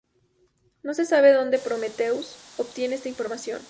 No se sabe donde Prometheus obtiene esta información.